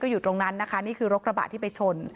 อยู่ตรงนั้นนะคะนี่คือรถกระบะที่ไปชน